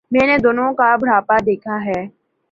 میں نے دونوں کا بڑھاپا دیکھا ہے۔